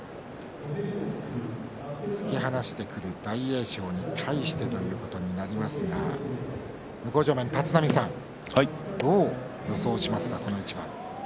突き放してくる大栄翔に対してということになりますが向正面の立浪さんどう予想しますか？